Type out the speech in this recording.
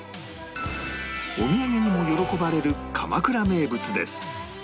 お土産にも喜ばれる鎌倉名物です